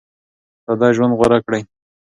ساده ژوند غوره کړئ.